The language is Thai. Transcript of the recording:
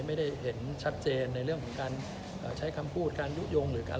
มันก็อยากจะเตือนให้ให้ระมัดระวังนะครับ